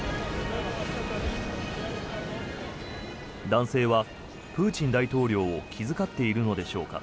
男性はプーチン大統領を気遣っているのでしょうか。